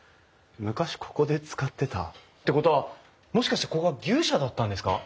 昔ここで使ってた？ってことはもしかしてここは牛舎だったんですか？